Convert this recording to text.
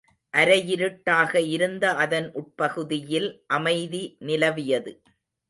அரை யிருட்டாக இருந்த அதன் உட்பகுதியில் அமைதி நிலவியது.